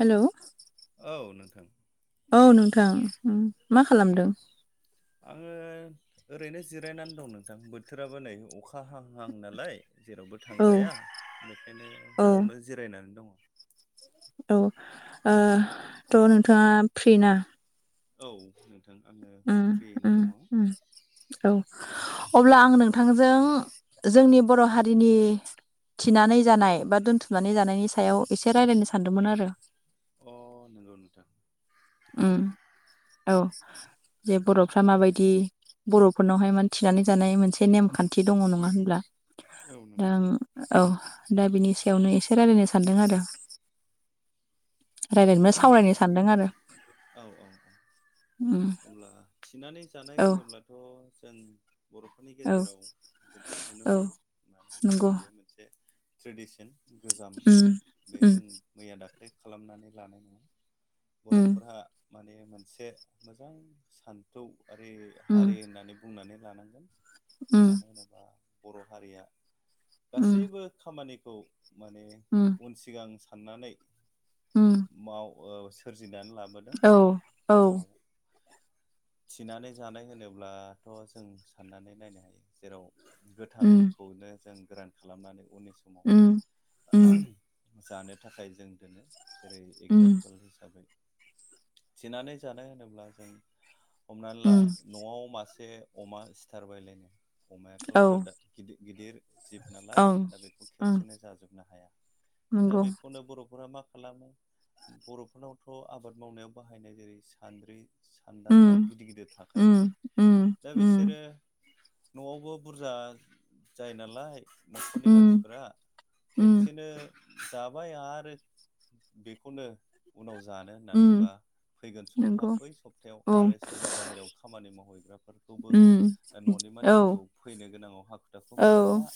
Hello औ नोंथां औ नोंथां उम मा खालामदों? आङो ओरैनो जिरायनानै दं नोंथां बोथोराबो नै अखा हाहां नालाय जेरावबो औ थांजाया बेखायनो औ न'आवनो जिरायनानै दङ' औ ओ थ' नोंथांआ फ्रि ना? औ नोंथां आङो उम फ्रियैनो उम दङ' उम औ अब्ला आं नोंथांजों जोंनि बर' हारिनि थिनानै जानाय बा दोनथुमनानै जानायनि सायाव एसे रायलायनो सानदोंमोन आरो अ नोंगौ नोंथां उम हागोन औ जे बर'फ्रा माबायदि बर'फोरनावहाय माने थिनानै जानाय मोनसे नेमखान्थि दङ' नङा होनब्ला? औ दा नंगौ आं औ दा बिनि सायावनो इसे रायलायनो सानदों आरो। रायलायनो माने सावरायनो सानदों आरो ओम। ओ अब्ला थिनानै जानाय होनोब्लाथ' जों बर' बेनि औ गेजेराव गोबां नुनो औ हायो मानो होनबा नंगौ बेयो मोनसे ट्रेडिसना गोजाम उम बे उम जों मैया दाख्लै खालामनानै लानाय नङाना उम बर'फोरा माने मोनसे मोजां साना थौ आरि हारि उम होननानै बुंनानै लानांगोन मानो होनोबा बर' हारिया गासैबो खामानिखौ माने ओम। उन सिगां साननानै उम माव ओ सोरजिनानै लाबो दों औ औ जेराव थिनानै जानाय होनोब्लाथ' जों साननानै नायनो हायो ओ जेराव गोथां उम खौनो जों गोरान खालामनानै उननि उम उम समाव जानो थाखाय जों दोनो जेरै उम एगजामपोल हिसाबै थिनानै जानो होनोब्ला जों हमनानै ला उम न'आव मासे अमा सिथारबायलै अमायाथ' औ गोदा गिदि गिदिर जिब नालाय ओं दा बेखौ ओं खेबसेनो जाजोबनो हाया दा नंगौ बेखौनो बर'फोरा मा खालामो। बर'फोरनावथ' आबाद मावनायाव बाहायनाय जेरै सान्द्रि सान्दांगा उम गिदिर गिदिर उम थाखायो। उम दा उम बिसोरो न'आवबो बुरजा जायो नालाय न'खरनि उम मानसिफोरा उम खेबसेनो जाबाय आरो बेखौनो उनाव जानो उम नानैा फैगोन सप्ता नंगौ बै सबथा बा औ आरो सोरबा बाहेरायाव खामानि मावहैग्राफोरखौबो उम दा न'नि औ मानसिफोरखौ फैनो गोनाङाव हाखु दाखु औ मोनजाला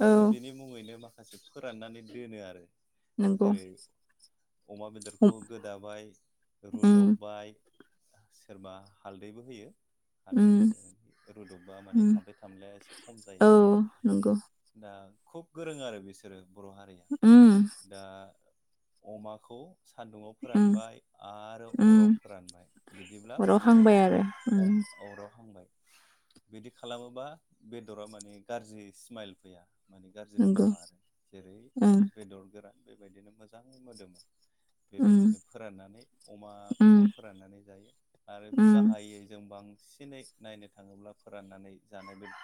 औ नि मुङैनो माखासे फोराननानै दोनो आरो नंगौ जेरै अमा हम बेदरखौ गोदाबाय उम रुदबबायना सोरबा हालदैबो होयो। हालदै हो उम रुदबबा माने उम थामफ्लाय थाम्लाया एसे खम औ जायो। नंगौ दा खुब गोरों आरो बिसोरो बर' हारिया उम दा अमाखौ। सान्दुंवाव उम फोरानबाय आरो अराव उम फोरानबाय। बिदिब्ला अराव माने हांबाय आरो उम अराव हांबाय बिदि खालामोबा बेदरा माने गाज्रि स्माइल फैया। माने गाज्रि नंगौ मोनामा आरो जेरै उम बेदर गोरान बेबायदिनो मोजाङै मोदोमोन उम बेबायदिनो फोराननानै उम अमाखौबो फोराननानै जायो आरो उम गाहाय जों बांसिनै नायनो थाङोब्ला फोराननानै जानोबोनो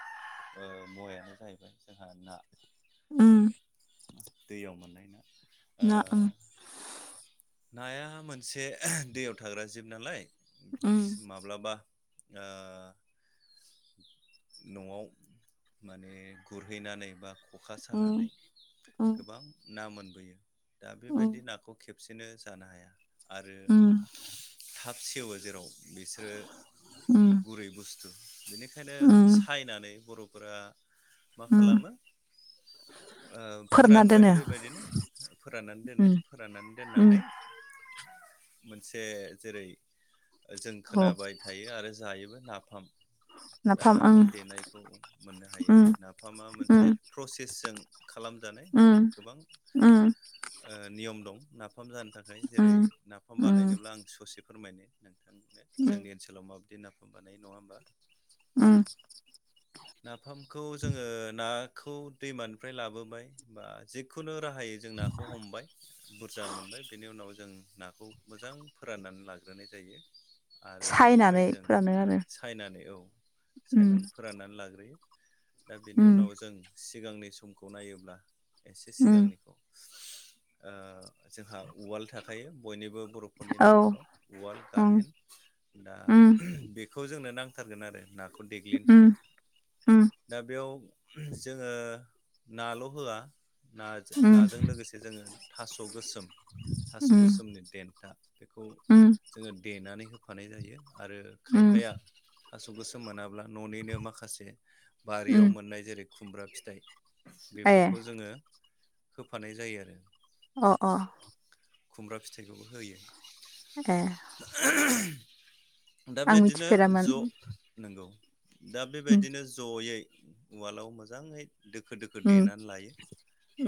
मुवायानो जाहैबाय जोंहा ना उम। मा दैयाव मोननाय ना ना ओ नाया मोनसे दैयाव थाग्रा जिब नालाय माबा माब्लाबा न'आव माने गुरहैनानै बा अखा सानानै गोबां ना मोनबोयो दा बेबायदि नाखौबो सबसेनो जानो हाया आरो ना म, थाब सेवो जेराव बिसोरो म, गुरै बुस्थु बेनिखायनो ओंखायनो म, सायनानै बर'फोरा मा म खालामो। ओ फोरानना फोरानबाय दोनो बेबायदिनो फोराननानै दोनो म, फोराननानै म दोननानै मोनसे जेरै जों औ खोनाबाय थायो आरो जायोबो नाफाम दा नाफाम देनायखौ मोननो हायो ओं आरो नाफामा मोनसे ओं प्रसेसजों खालामजानाय माने गोबां उम ओ नियम दं नाफाम जानो थाखाय ओं जेरै ओम नाफाम ओम बानायनोब्ला आं ससे फोरमायनो नों थांनो जोंनि ओनसोलाव माबायदि नाफाम बानायो नङा ओमबा उम नाफामखौ जोङो नाखौ दैमानिफ्राय लाबोबाय बा जि खुनु राहायै जों नाखौ हमबाय बुरजा मोनबाय बेनि उनाव जों नाखौ मोजां फोराननानै लाग्रोनाय जायो। आरो सायनानै बेनिफ्राय जों फोरानो आरो सायनानै औ ओम सायनानै फोराननानै लाग्रोयो। दा बेनि ओम उनाव जों सिगांनि समखौ नायोब्ला एसे ओम सिगांनिखौ ओ जोंहा उवाल थाखायो बयनिबो बर' फोरनि औ नखराव उवाल ओं गाहेन दा ओम बे खौ जोंनो नांथारगोन आरो नाखौ देग्लिनो ओम थाखाय। ओम ओम दा बेयाव जोङो नाल' होआ। नाजो ओम नाजों लोगोसे जोङो थास' गोसोम थास' गोसोमनि देन्था बेखौ ओम जोङो देनानै होफानाय जायो आरो ओम खायफाया थास' गोसोम मोनाब्ला न'निनो माखासे ओम बारियाव मोननाय जेरै खुमब्रा फिथाइ। ए बेफोरखौ जोङो होफानाय जायो आरो‌। अ अ खुमब्रा फिथाइखौबो होयो। ए [inaudible] दा आं बिदिनो मिथिफेरामोन ज' नंगौ दा ओम बेबायदिनो जयै उवालाव मोजाङै दोखो दोखो ओम देनानै लायो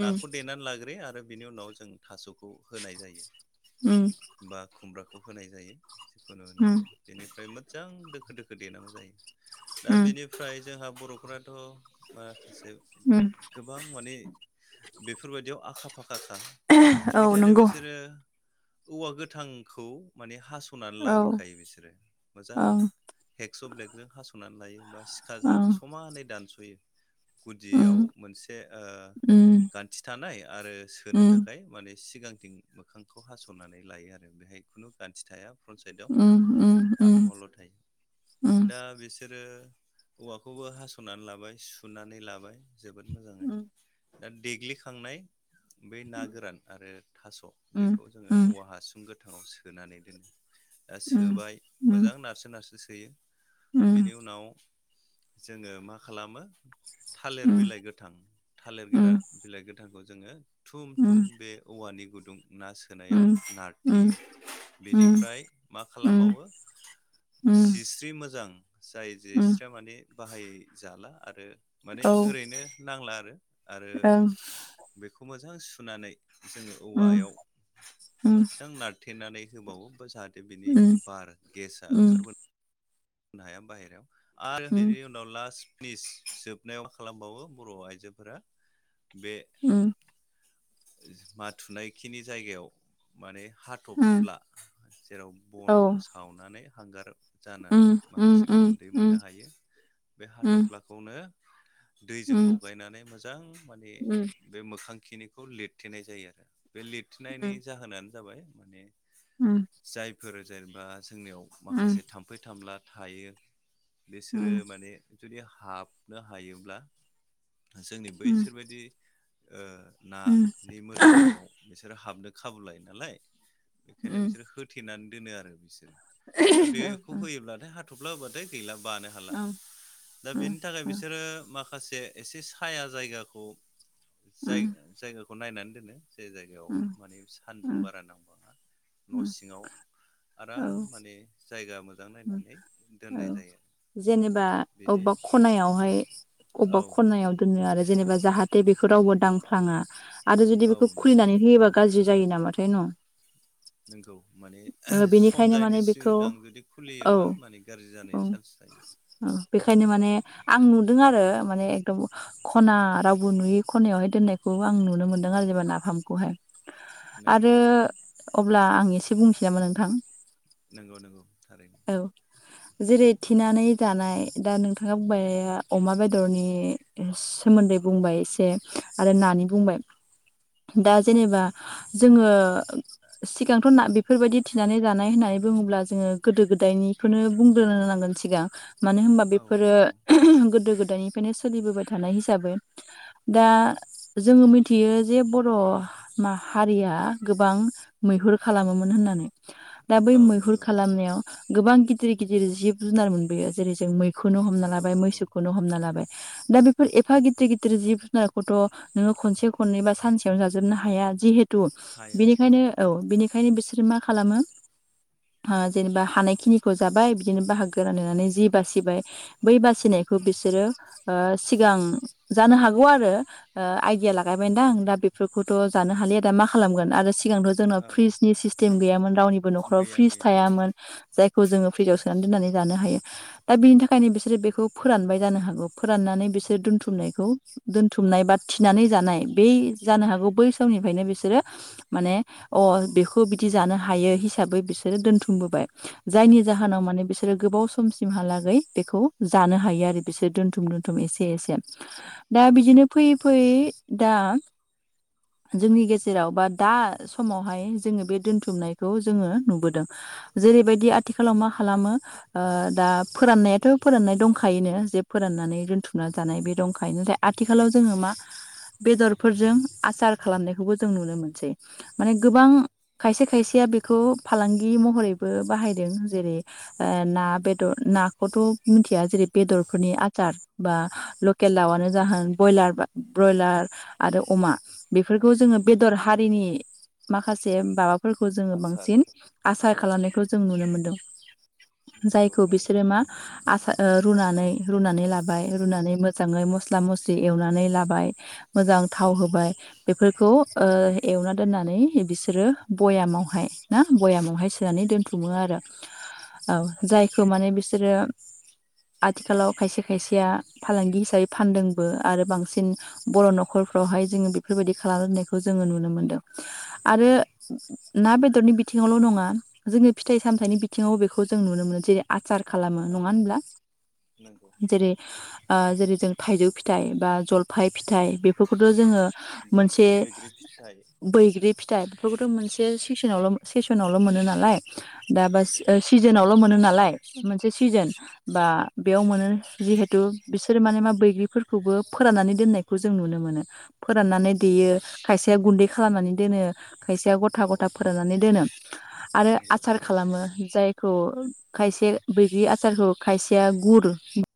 ओम देनानै लाग्रोयो आरो बिनि उनाव जों थास'खौ होनाय जायो। उम बा खुमब्राखौ होनाय जायो जिखुनु होनो ओम हायो बेनिफ्राय मोजां दोखो दोखो देनांगौ जायो। दा ओम बेनिफ्राय जोंहा बर'फोराथ' माखासे उम गोबां माने बेफोरबायदियाव आखा फाखा। औ बेनिखायनो नंगौ बिसोरो औवा गोथांखौ माने हास हासनानै औ लाग्रोखायो बिसोरो मोजां ओं हेगस' ब्लेगजों हास'नानै लायो बा सि खाजों ओं समानै दानस'यो। उम गुदियाव मोनसे ओ उम गान्थि थानाय आरो सोनो उम थाखाय माने सिगांथिं मोखांखौ हास'नानै लायो आरो बेहाय खुनु गान्थि थाया। फ्रन्ट साइदाव उम उम उम आफाङावाल' थायो उम दा बिसोरो औवाखौबो हास'नानै लाबाय सुनानै लाबाय जोबोद मोजाङै। दा देग्लिखांनाय बै ना गोरान आरो थास' उम बेखौ जोङो उम उम औवा हासुं गोथाङाव सोनानै दोनो। दा उम सोबाय मोजां नारसो नारसो सोयो उम बेनि उनाव जोङो मा खालामो थालेर बिलाइ गोथां थालेर उम गोरा बिलाइ गोथांखौ जोङो थुम थुम उम बे औवानि गुदुं ना सो सोनायाव उम उम नारथेयो बेनिफ्राय मा उम खालामबावो जिस्रि मोजां जाय उम जिस्रिया माने बाहायै जाला आरो माने औ ओरैनो नांला आरो आरो ओं बेखौ मोजां सुनानै जोङो उम औवायाव उम उम मोजां नारथेनानै होबावोबा जा दा बिनि उम बार गेसा ओंखारबोनो हाया बाहेरायाव आरो उम बिनि उम उनाव लास्ट पिस जोबनायाव खालामबावो बर' आइजोफोरा बे उम माथुनायखिनि जायगायाव माने हा थफ्ला जेराव औ बनखौ सावनानै हांगार उम जानानै उम माखासे उम गुन्दै मोननो हायो बे हाथफ्लाखौनो दैजों लगायनानै मोजां माने बे मोखांखिनिखौ लिरथेनाय जायो आरो बे उम लिरथेनायनि जाहोनानो जाबाय माने उम जायफोर जेनेबा जोंनियाव माखासे थाम्फै थामफला थायो बिसोरो माने जुदि हाबनो हायोब्ला जोंनि बैसोरबायदि ओ नानि मोदोमनायाव बिसोरो हाबनो खाबु लायो नालाय बेखायनो बिसोरो होथेनानै दोनो आरो बिसोरो दा उम बेखौ उम होयोब्लाथाय हाथफ्ला होबाथाय गैला बानो हाला ओं दा औ बेनि थाखाय बिसोरो मा खासे एसे साया जायगाखौ जाय जायगाखौ नायनानै दोनो जे जायगायाव माने सानदुं बारा नांबाङा न' सिङाव आराम माने जायगा मोजां नायनानै औ दोननाय जायो जेनेबा बेनि अबेबा खनायावहाय अबेबा औ खनायाव आव दोनो आरो जेनेबा बेखौ रावबो दांफ्लाङा आरो जुदि औ बेखौ नंगौ खुलिनानै होयोब्ला गाज्रि जायो नामाथाय न' नोंखौ माने सम बेनिखायनो जायिनि माने बेखौ सिगां जुदि खुलियोबा माने गाज्रि जानायनि चान्स थायो ओ बेखायनो माने आं नुदों आरो माने एकदम खना रावबो नुयि खनायावहाय दोननायखौ आं नुनो मोन्दों आरो जेनेबा नाफामखौहाय नंगौ आरो अब्ला आं एसे बुंसै नामा नोंथां नंगौ नंगौ थारैनो औ जेरै थिनानै जानाय दा नोंथाङा बुंबाय अमा बेदरनि सोमोन्दै बुंबाय एसे आरो नानि बुंबाय दा जेनेबा जोङो सिगांथ' बेफोरबायदि थिनानै जानाय होननानै बुङोब्ला जोङो गोदो गोदायनिखौनो बुंग्रोनो नांगोन सिगां मानो होनबा औ बेफोरो नंगौ गोदो गोदायनि बेखायनो सोलिबोबाय थानाय हिसाबै दा जोङो मिथियो जे बर' माहारिया गोबां मैहुर खालामोमोन होननानै दा बै औ मैहुर नंगौ खालामनायाव गोबां गिदिर गिदिर जिब जुनार मोनबोयो जेरै जों मै खौनो हमना नंगौ लाबाय नंगौ मैसोखौनो हमना लाबाय दा बेफोर एफा गिदिर गिदिर जिब जुनारखौथ' नोङो खनसे खननै बा सानसेयावनो जाजोबनो हाया जिहे थु हाया बिनिखायनो औ बिनिखायनो बिसोर मा खालामो जेनेबा हानायखिनिखौ जाबाय बिदिनो बाहागो रानलायनानै जि बासिबाय बै बासिनायखौ बिसोरो ओ सिगां जानो हागौ आरो आइदिया लागायबायदां दा बेफोरखौथ' जानो हालिया दा मा खालामगोन आरो सिगां जोंनाव औ फ्रिजनि सिस्टेम गैयामोन रावनिबो न'खराव गैया फ्रिज गैया गैया थायामोन जायखौ जोङो फ्रिजाव सोनानै दोननानै जानो हायो दा बिनि थाखायनो बिसोरो बेखौ फोरानबाय जानो हागौ फोराननानै बिसोरो दोनथुमनायखौ दोनथुमनाय बा थिनानै जानाय बे जानो हागौ बै समनिफ्रायनो बिसोरो माने अ बेखौ बिदि जानो हायो हिसाबै बिसोरो दोन्थुमबोबाय जायनि जाहोनाव नंगौ माने बिसोरो गोबाव सम समसिमहालागै बेखौ जानो हायो आरो बिसोर दोनथुम दोनथुम एसे एसे दा नंगौ बिदिनो फैयै फैयै दा जोंनि गेजेराव बा दा समावहाय जोङो बे दोनथुमनायखौ जोङो नुबोदों जेरैबायदि आथिखालाव मा खालामो दा फोराननायाथ' फोराननाय दंखायोनो जे फोराननानै दोनथुमना जानाय बे दंखायो दा आथिखालाव जोङो मा बेदरफोरजों आसार खालामनायखौबो जों नुनो मोनसै माने गोबां नंगौ खायसे खायसेया बेखौ फालांगि महरै बो बाहायदों जेरै ओ ना बेदर नाखौथ' मिथिया जेरै बेदरफोरनि आसार बा लकेल नंगौ दाउआनो जाहोन बयलार बा ब्रयलार आरो अमा बेफोरखौ जोङो नंगौ बेदर हारिनि माखासे माबाफोरखौ जोङो आसार बांसिन आसार खालामनाय जों नुनो मोनदों नंगौ जायखौ थारैनो बिसोरो मा आसार ओ रुनानै रुनानै लाबाय रुनानै मोजाङै मस्ला मस्लि एवनानै लाबाय मोजां थाव होबाय बेफोरखौ ओ एवना दोननानै बिसोरो बयामावहाय ना बयामावहाय सोनानै दोन थुमो औ आरो औ जायखौ माने बिसोरो आथिखालाव खायसे खायसेया फालांगि हिसाबै फानदोंबो आरो बांसिन बर' नखरफ्रावहाय जोङो बेफोरबायदि खालाम दोननायखौ जोङो नुनो मोनदों आरो ना बेदरनि बिथिङावल' नङा जोंनि फिथाइ सामथाइनि बिथिङावबो बेखौ जों नुनो मोनो जेरै आसार खालामो नङा औ होनब्ला नंगौ जेरै ओ जेरै जों थाइजौ फिथाइ बा जलफाय फिथाइ थाइजौ बेफोरखौथ' फिथाइ जोङो मोनसे बैग्रि बैग्रि फिथाइ बैग्रि फिथाइ बेफोरखौथ' मोनसे सेसनावल' सेसनावल' मोनो नालाय दा बा नंगौ सिजोनावल' मोनो नालाय मोनसे सिजोन बा बेयाव मोनो जिहेथु बिसोरो माने मा बैग्रिफोर खौबो फोराननानै दोननायखौ जों नुनो मोनो फोराननानै देयो खायसेया गुन्दै खालामनानै दोनो खायसेया गथा औ गथा फोराननानै दोनो आरो नंगौ आसार थारैनो खालामो नोंथां जायखौ खायसे बैग्रि आसारखौ खायसेया गुर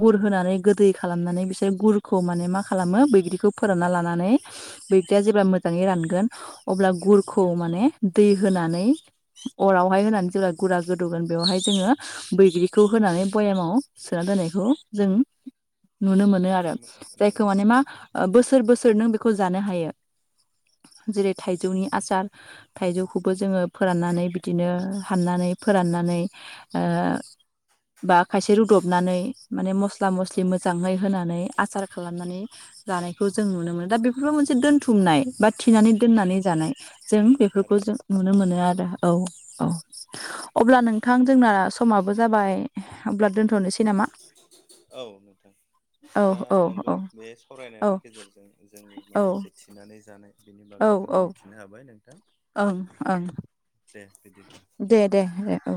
गुर होनानै गोदै खालामनानै बिसोर गुर खौ माने मा खालामो बैग्रिखौ फोरानना लानानै बैग्रिया जेब्ला मोजाङै रानगोन अब्ला गुरखौ माने दै होनानै अरावहाय होनानै जेब्ला गुरा गोदौगोन बेवहाय जोङो बैग्रिखौ होनानै बयामाव सोना दोननायखौ जों नुनो मोनो आरो जायखौ नंगौ माने मा ओ बोसोर बोसोर नों बेखौ जानो हायो जेरै थाइजौनि आसार थाइजौखौबो जोङो फोराननानै बिदि बिदिनो हाननानै फोराननानै ओ बा खायसे रुदब नानै माने मस्ला मस्लि औ मोजाङै होनानै आसार खालामनानै लानायखौ जों नुनो मोनो दा बेफोर मोनसे दोन थुमनाय बा थिनानै दोननानै जानाय जों नंगौ बेफोरखौ थारैनो जों नुनो मोनो आरो औ औ अब्ला नोंथां जोंना समाबो जाबाय अब्ला दोन्थ'नोसै नामा औ नोंथां औ दा औ औ नोंगौ बे औ सावरायनायनि गेजेरजों जोंनि औ माखासे थिनानै जानाय बेनि औ बागै जों औ मिथिनो हाबाय नोंथां ओं ओं दे बिदि दे दे ए औ